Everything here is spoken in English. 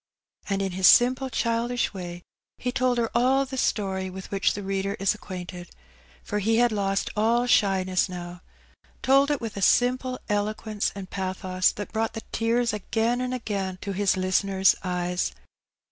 And in his simple childish way he told her all the story with which the reader is ac quainted—for he had lost all shyness now — told it with a simple eloquence and pathos that brought the tears again and again to his listener's eyes.